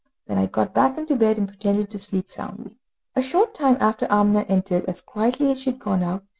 Then I got back into bed, and pretended to sleep soundly. A short time after Amina entered as quietly as she had gone out.